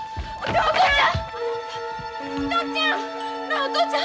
お父ちゃん！